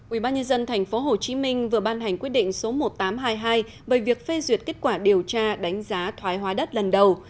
ubnd tp hcm vừa ban hành quyết định số một nghìn tám trăm hai mươi hai về việc phê duyệt kết quả điều tra đánh giá thoái hóa đất lần đầu